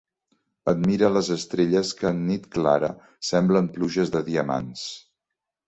Admire les estrelles que en nit clara semblen pluges de diamants.